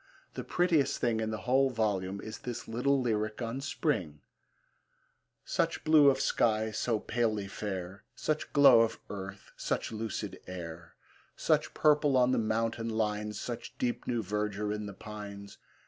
The prettiest thing in the whole volume is this little lyric on Spring: Such blue of sky, so palely fair, Such glow of earth, such lucid air! Such purple on the mountain lines, Such deep new verdure in the pines!